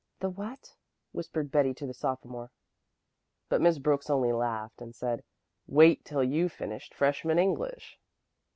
"The what?" whispered Betty to the sophomore. But Miss Brooks only laughed and said, "Wait till you've finished freshman English."